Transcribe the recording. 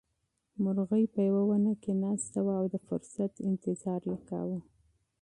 مرغۍ په یوه ونه کې ناسته وه او د فرصت انتظار یې کاوه.